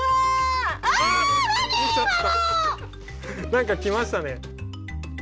何か来ましたね。